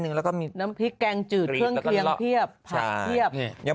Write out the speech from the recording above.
นึงแล้วก็มีน้ำพริกแกงจืดเครื่องเคลียมเทียบถ่ายเทียบยัง